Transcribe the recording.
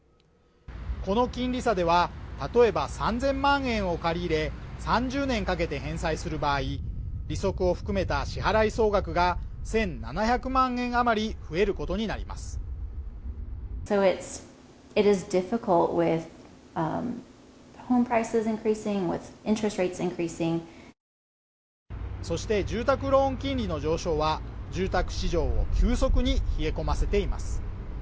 この金利差では例えば３０００万円を借り入れ３０年かけて返済する場合利息を含めた支払総額が１７００万円あまり増えることになりますそして住宅ローン金利の上昇は住宅市場を急速に冷え込ませています